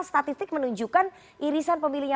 statistik menunjukkan irisan pemilihnya